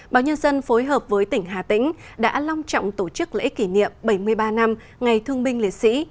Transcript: báo nhân dân phối hợp với tỉnh hà tĩnh đã long trọng tổ chức lễ kỷ niệm bảy mươi ba năm ngày thương binh liệt sĩ